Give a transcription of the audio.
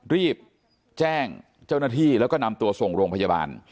รีบแจ้งเจ้าหน้าที่แล้วก็นำตัวส่งโรงพยาบาล